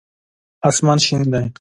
اسمان شین دی